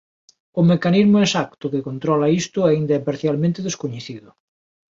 O mecanismo exacto que controla isto aínda é parcialmente descoñecido.